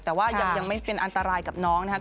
แต่ว่ายังไม่เป็นอันตรายกับน้องนะครับ